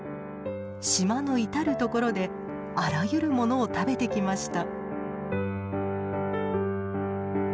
島の至る所であらゆるものを食べてきました。